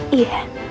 tidak ada bangsa